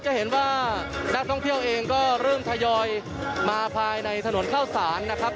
จะเห็นว่านักท่องเที่ยวเองก็เริ่มทยอยมาภายในถนนเข้าสารนะครับ